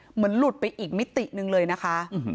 เหมือนหลุดไปอีกมิติหนึ่งเลยนะคะ